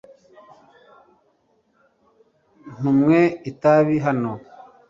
ntunywe itabi hano